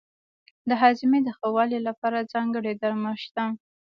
د هاضمې د ښه والي لپاره ځانګړي درمل شته.